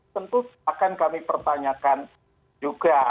tentu akan kami pertanyakan juga